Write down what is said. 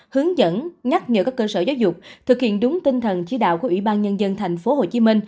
hướng dẫn nhắc nhở các cơ sở giáo dục thực hiện đúng tinh thần chỉ đạo của ủy ban nhân dân tp hcm